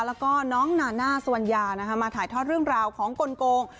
แล้วก็น้องนาน่าสวัญญานะคะมาถ่ายทอดเรื่องราวของกลง